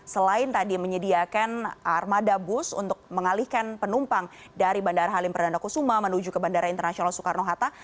selain tadi menyediakan armada bus untuk mengalihkan penumpang dari bandara halim perdana kusuma menuju ke bandara internasional soekarno hatta